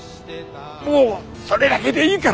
もうそれだけでいいから。